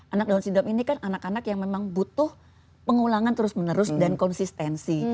anak down syndrome ini kan anak anak yang memang butuh pengulangan terus menerus dan konsistensi